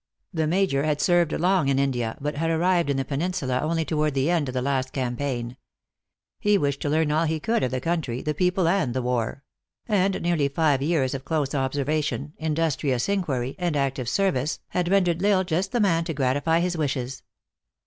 The major had served long in India, but had arrived in the Peninsula only toward the end of the last cam paign. He wished to learn all he could of the coun try, the people and the war ; and nearly five years of close observation, industrious inquiry, and active ser vice had rendered L Isle just the man to gratify his wishes.